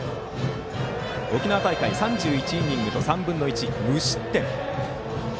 沖縄大会３１イニングと３分の１無失点。